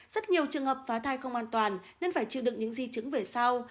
rất nhiều trường hợp phá thai không an toàn nên phải chịu đựng những di chứng về sau